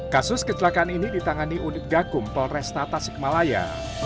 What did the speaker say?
kasus kecelakaan ini ditangani unit gakum polresta tasikmalaya